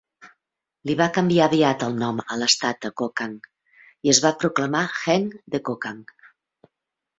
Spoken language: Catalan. Li va canviar aviat el nom a l"estat a Kokang, i es va proclamar Heng de Kokang.